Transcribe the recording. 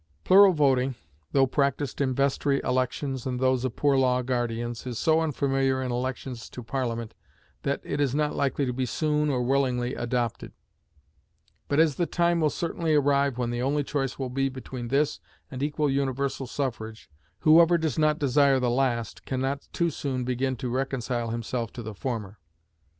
Plural voting, though practiced in vestry elections and those of poor law guardians, is so unfamiliar in elections to Parliament that it is not likely to be soon or willingly adopted; but as the time will certainly arrive when the only choice will be between this and equal universal suffrage, whoever does not desire the last can not too soon begin to reconcile himself to the former.